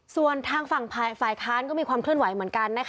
ส่วนทางฝั่งฝ่ายค้านก็มีความเคลื่อนไหวเหมือนกัน